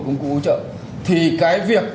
công cụ ưu trợ thì cái việc